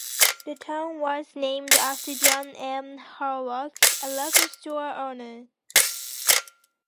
The town was named after John M. Hurlock, a local store owner.